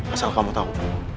asal kamu tau